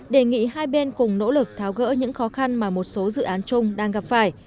đề nghị hai bên cùng nỗ lực tháo gỡ những khó khăn mà một số dự án chung đang gặp phải